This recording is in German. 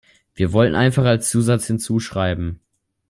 Wir wollten einfach als Zusatz hinzuschreiben.